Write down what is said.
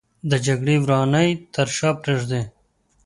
د جګړې ورانۍ تر شا پرېږدي